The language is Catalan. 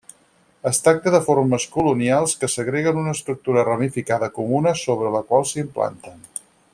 Es tracta de formes colonials que segreguen una estructura ramificada comuna sobre la qual s'implanten.